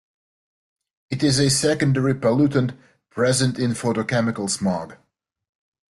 It is a secondary pollutant present in photochemical smog.